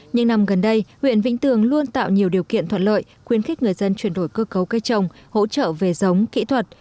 những năm gần đây huyện vĩnh tường luôn tạo nhiều điều kiện thuận lợi khuyến khích người dân chuyển đổi cơ cấu cây trồng hỗ trợ về giống kỹ thuật